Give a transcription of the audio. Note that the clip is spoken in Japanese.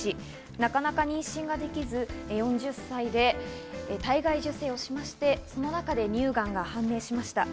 なかなか妊娠ができず、４０歳で体外受精をしまして、その中で乳がんが判明しました。